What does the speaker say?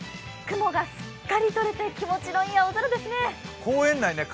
雲がすっかりとれて気持ちのいい青空ですね。